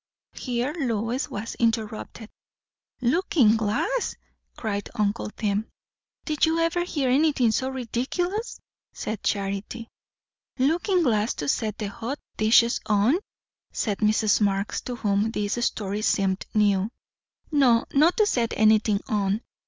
Here Lois was interrupted. "Looking glass!" cried uncle Tim. "Did you ever hear anything so ridiculous?" said Charity. "Looking glass to set the hot dishes on?" said Mrs. Marx, to whom this story seemed new. "No; not to set anything on.